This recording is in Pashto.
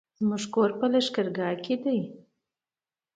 زموږ کور په لښکرګاه کی دی